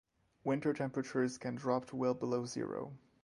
Winter temperatures can drop to well below zero.